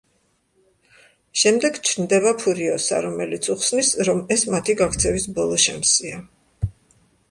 შემდეგ ჩნდება ფურიოსა, რომელიც უხსნის რომ ეს მათი გაქცევის ბოლო შანსია.